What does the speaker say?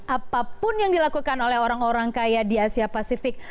apapun yang dilakukan oleh orang orang kaya di asia pasifik